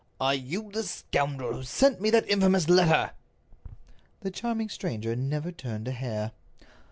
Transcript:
"Are you the scoundrel who sent me that infamous letter?" The charming stranger never turned a hair.